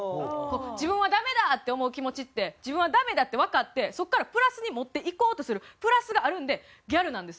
自分はダメだって思う気持ちって自分はダメだってわかってそこからプラスに持っていこうとするプラスがあるんでギャルなんですよ。